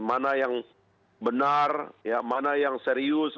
mana yang benar mana yang serius